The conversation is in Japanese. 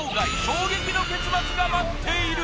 衝撃の結末が待っている